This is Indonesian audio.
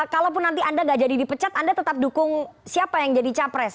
kalaupun nanti anda nggak jadi dipecat anda tetap dukung siapa yang jadi capres